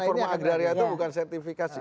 norma agraria itu bukan sertifikasi